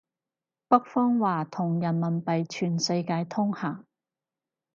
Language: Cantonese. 北方話同人民幣全世界通行